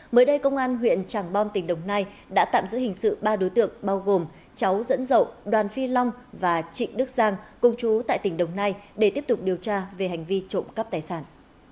mới đây công an huyện tràng bom tỉnh đồng nai đã tạm giữ hình sự ba đối tượng bao gồm cháu dẫn dậu đoàn phi long và trịnh đức giang công chú tại tỉnh đồng nai để tiếp tục điều tra về hành vi trộm cắp tài sản